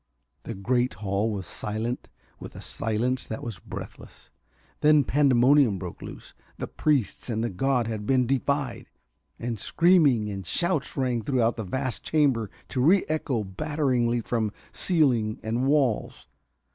The great hall was silent with a silence that was breathless. Then pandemonium broke lose. The priests and the god had been defied, and screaming and shouts rang throughout the vast chamber to re echo batteringly from ceiling and walls.